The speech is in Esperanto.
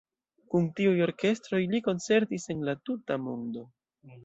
Kun tiuj orkestroj li koncertis en la tuta mondo.